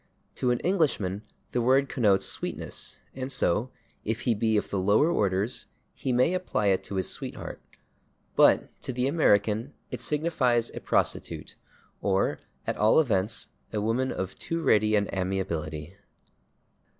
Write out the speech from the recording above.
To an Englishman the word connotes sweetness, and so, if he be of the lower orders, he may apply [Pg130] it to his sweetheart. But to the American it signifies a prostitute, or, at all events, a woman of too ready an amiability.